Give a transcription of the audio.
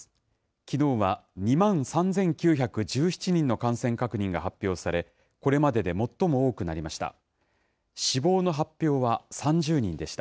きのうは２万３９１７人の感染確認が発表され、これまでで最も多くなりました。